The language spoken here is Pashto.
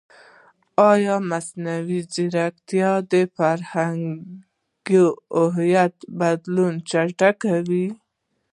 ایا مصنوعي ځیرکتیا د فرهنګي هویت بدلون نه چټکوي؟